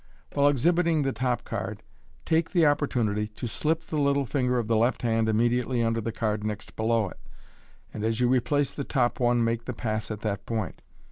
While exhibiting the top card, take the opportunity to slip the little finger of the left hand immediately under the card next below it, and as you replace the top one make the pass at that point.